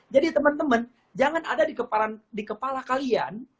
jadi teman teman jangan ada di kepala kalian